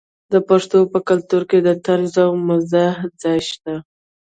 د پښتنو په کلتور کې د طنز او مزاح ځای شته.